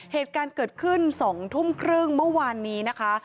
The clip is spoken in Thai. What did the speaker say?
เหตุการณ์เกิดขึ้น๒ทุ่มครึ่งเมื่อวานนี้นะคะ